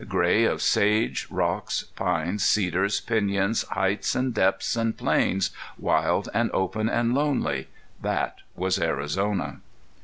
Gray of sage, rocks, pines, cedars, piñons, heights and depths and plains, wild and open and lonely that was Arizona.